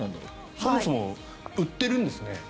そもそも売ってるんですね